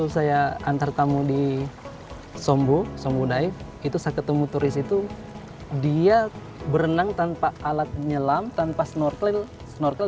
saya ketemu turis itu dia berenang tanpa alat nyelam tanpa snorkel